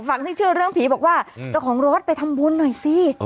ที่เชื่อเรื่องผีบอกว่าเจ้าของรถไปทำบุญหน่อยสิ